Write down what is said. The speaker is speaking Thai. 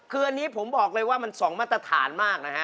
คืออันนี้ผมบอกเลยว่ามัน๒มาตรฐานมากนะฮะ